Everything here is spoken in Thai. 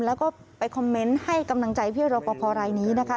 แล้วก็ไปคอมเมนต์ให้กำลังใจพี่รอปภรายนี้นะคะ